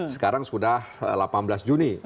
sekarang sudah delapan belas juni